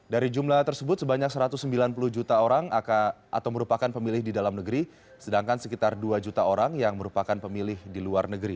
dari jumlah tersebut sebanyak satu ratus sembilan puluh juta orang atau merupakan pemilih di dalam negeri sedangkan sekitar dua juta orang yang merupakan pemilih di luar negeri